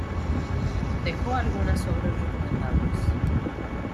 Dejó algunas obras recomendables.